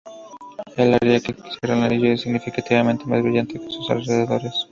El área que encierra el anillo es significativamente más brillante que su alrededores.